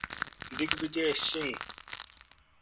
Digvijay Singh